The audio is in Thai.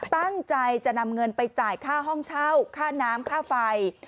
ตั้งใจจะนำเงินไปจ่ายค่าห้องเช่าค่าน้ำค่าไฟ